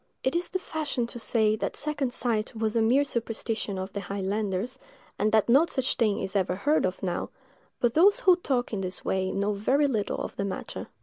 It is the fashion to say that second sight was a mere superstition of the highlanders, and that no such thing is ever heard of now; but those who talk in this way know very little of the matter.